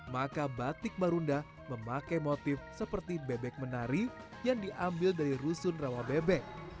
maka batik marunda memakai motif seperti bebek menari yang diambil dari rusun rawabek